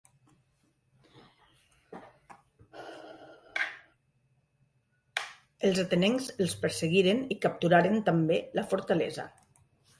Els atenencs els perseguiren i capturaren també la fortalesa.